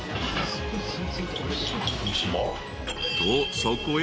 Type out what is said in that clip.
［とそこへ］